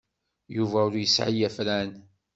Yuba ur yesɛi afran.